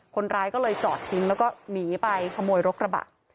คนร้ายก็เลยจอดทิ้งแล้วก็หนีไปขโมยรถกระบะ